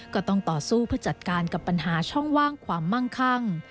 ก็ต้องต่อสู้เพื่อจัดการกับปัญหาช่องว่างความมั่งคั่ง